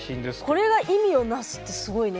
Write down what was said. これが意味を成すってすごいね。